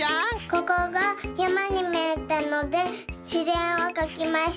ここがやまにみえたのでしぜんをかきました。